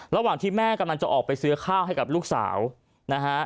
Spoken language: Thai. ระหว่างที่แม่กำลังจะออกไปซื้อข้าวให้กับลูกสาวนะฮะ